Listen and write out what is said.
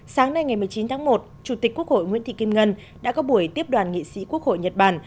sáng nay ngày một mươi chín tháng một chủ tịch quốc hội nguyễn thị kim ngân đã có buổi tiếp đoàn nghị sĩ quốc hội nhật bản